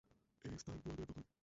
এস্থান তোমাদের দখলে।